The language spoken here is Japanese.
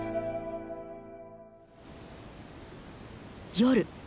夜。